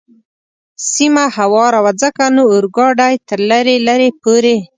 سیمه هواره وه، ځکه نو اورګاډی تر لرې لرې پورې.